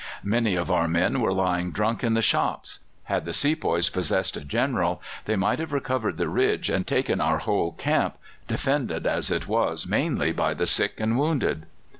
Many of our men were lying drunk in the shops. Had the sepoys possessed a General, they might have recovered the ridge, and taken our whole camp, defended as it was mainly by the sick and wounded.